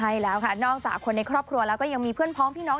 ใช่แล้วค่ะนอกจากคนในครอบครัวแล้วก็ยังมีเพื่อนพร้อมพี่น้อง